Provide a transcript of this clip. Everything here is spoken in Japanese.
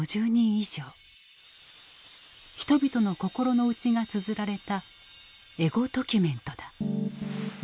人々の心の内がつづられたエゴドキュメントだ。